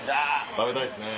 食べたいですね。